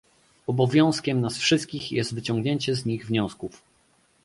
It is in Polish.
Obowiązkiem nas wszystkich jest wyciągnięcie z nich wniosków